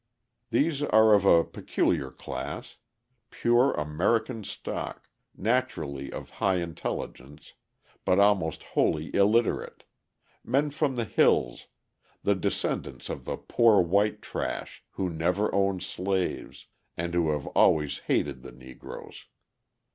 These are of a peculiar class pure American stock, naturally of high intelligence, but almost wholly illiterate men from the hills, the descendants of the "poor white trash," who never owned slaves, and who have always hated the Negroes.